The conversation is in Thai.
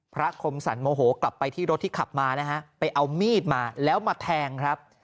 คมสรรโมโหกลับไปที่รถที่ขับมานะฮะไปเอามีดมาแล้วมาแทงครับ